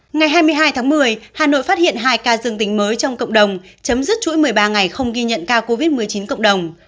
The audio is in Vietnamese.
ngày hai mươi hai tháng một mươi hà nội phát hiện hai ca dương tính mới trong cộng đồng chấm dứt chuỗi một mươi ba ngày không ghi nhận ca covid một mươi chín cộng đồng